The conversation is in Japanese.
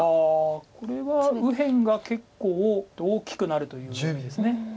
これは右辺が結構大きくなるという意味です。